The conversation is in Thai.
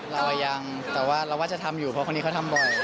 เรายังแต่ว่าเราว่าจะทำอยู่เพราะคนนี้เขาทำบ่อย